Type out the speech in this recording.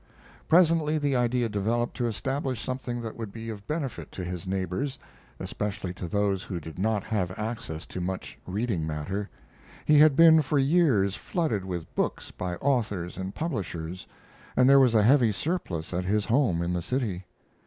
Presently the idea developed to establish something that would be of benefit to his neighbors, especially to those who did not have access to much reading matter. He had been for years flooded with books by authors and publishers, and there was a heavy surplus at his home in the city.